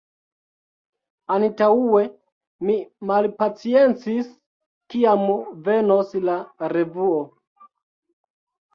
Antaŭe mi malpaciencis kiam venos la revuo.